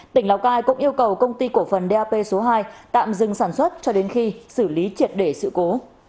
tỉnh lào cai cũng yêu cầu công ty cổ phần dap số hai tạm dừng sản xuất cho đến khi xử lý triệt để sự cố